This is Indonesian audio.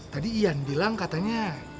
tadi iyan bilang katanya